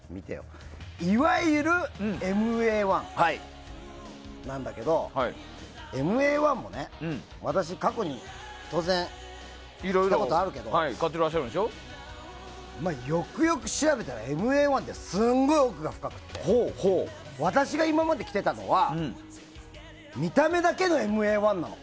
いわゆるＭＡ１なんだけどＭＡ１も過去に突然買ったことあるけどよくよく調べたらＭＡ１ってすごい奥が深くて私が今まで着ていたのは見た目だけのＭＡ１なの。